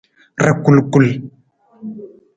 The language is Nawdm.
Rakulkul.